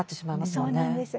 そうなんです。